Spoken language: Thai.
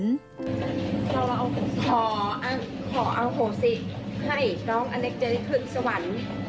เราขออโหสิให้น้องอเล็กจะได้ขึ้นสวรรค์